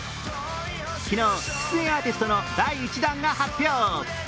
昨日、出演アーティストの第１弾が発表。